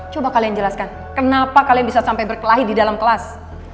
coba kalian jelaskan kenapa kalian bisa sampai berkelahi di dalam kelas